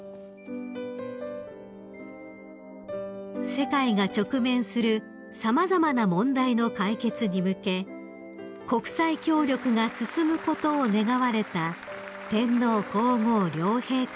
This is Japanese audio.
［世界が直面する様々な問題の解決に向け国際協力が進むことを願われた天皇皇后両陛下です］